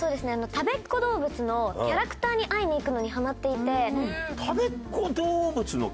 たべっ子どうぶつのキャラクターに会いに行くのにハマっていて。